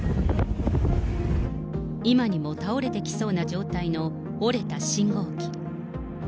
今にも倒れてきそうな状態の折れた信号機。